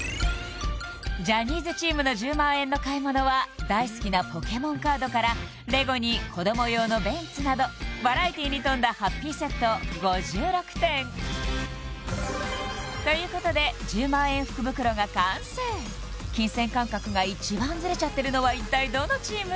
ジャニーズチームの１０万円の買い物は大好きなポケモンカードからＬＥＧＯに子ども用のベンツなどバラエティーに富んだハッピーセット５６点ということで１０万円福袋が完成金銭感覚が一番ズレちゃってるのは一体どのチーム？